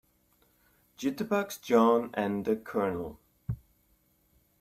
Jitterbugs JOHN and the COLONEL.